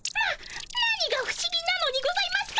何がふしぎなのにございますか？